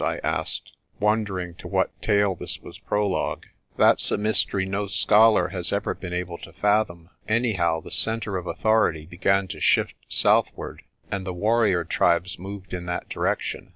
I asked, wondering to what tale this was prologue. "That's a mystery no scholar has ever been able to fathom. Anyhow, the centre of authority began to shift southward, and the warrior tribes moved in that direction.